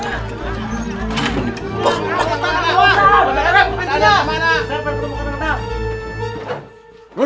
saya pengen kemana